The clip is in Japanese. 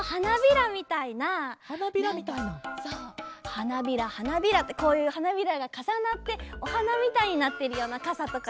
はなびらはなびらってこういうはなびらがかさなっておはなみたいになってるようなかさとかいいかな。